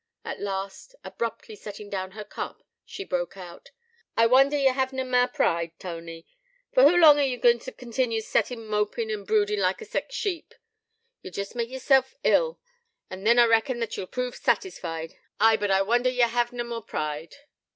At last, abruptly setting down her cup, she broke out: 'I wonder ye hav'na mare pride, Tony. For hoo lang are ye goin' t' continue settin' mopin' and broodin' like a seck sheep? Ye'll jest mak yesself ill, an' then I reckon what ye'll prove satisfied. Ay, but I wonder ye hav'na more pride.'